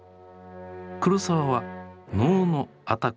黒澤は能の「安宅」